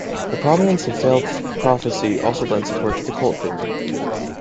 The prominence of failed prophecy also lends support to the cult theory.